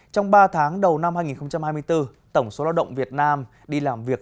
trong ba tháng đầu năm hai nghìn hai mươi bốn tổng số lao động việt nam đi làm việc